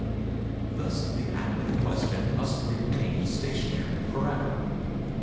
Thus the atom in question must remain stationary forever.